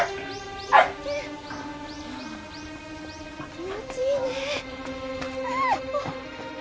気持ちいいねえ。